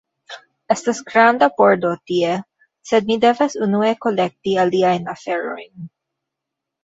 Estas granda pordo tie, sed mi devas unue kolekti aliajn aferojn.